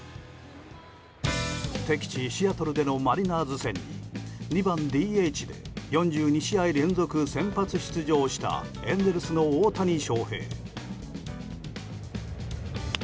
適地シアトルでのマリナーズ戦に２番ＤＨで４２試合連続先発出場したエンゼルスの大谷翔平。